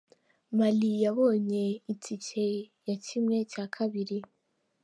Mali yabonye itike ya kimwe cya kabiri